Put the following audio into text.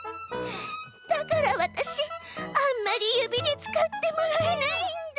だからわたしあんまりゆびでつかってもらえないんだ！